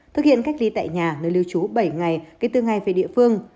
thực hiện cách ly tại nhà nơi lưu trú bảy ngày kể từ ngày về địa phương